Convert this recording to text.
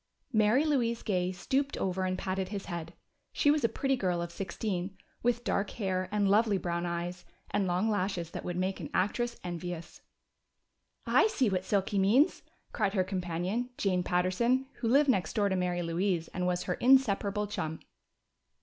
Mary Louise Gay stooped over and patted his head. She was a pretty girl of sixteen, with dark hair and lovely brown eyes and long lashes that would make an actress envious. "I see what Silky means!" cried her companion, Jane Patterson who lived next door to Mary Louise and was her inseparable chum.